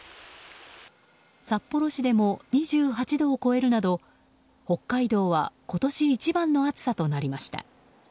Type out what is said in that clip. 札幌市でも２８度を超えるなど北海道は今年一番の暑さとなりました。